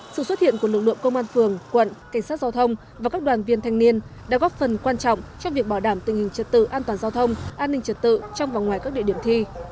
sự xuất hiện của lực lượng công an phường quận cảnh sát giao thông và các đoàn viên thanh niên đã góp phần quan trọng trong việc bảo đảm tình hình trật tự an toàn giao thông an ninh trật tự trong và ngoài các địa điểm thi